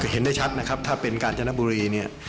เห็นได้ชัดนะครับถ้าเป็นกาญจนบุรีเนี่ย